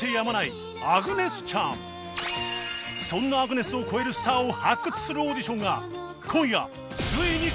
そんなアグネスを超えるスターを発掘するオーディションが